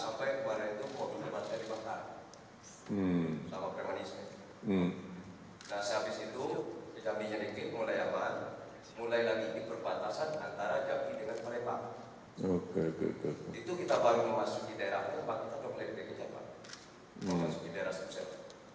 masuk ke daerah subsel